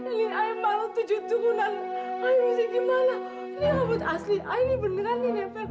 ini i baru tujuh turunan i mesti gimana ini rambut asli i ini beneran ini